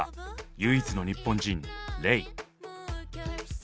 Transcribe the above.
唯一の日本人レイ。